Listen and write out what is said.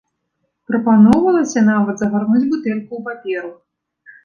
Прапаноўвалася нават загарнуць бутэльку ў паперу.